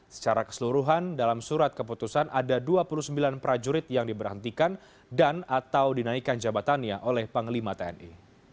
secara keseluruhan dalam surat keputusan ada dua puluh sembilan prajurit yang diberhentikan dan atau dinaikkan jabatannya oleh panglima tni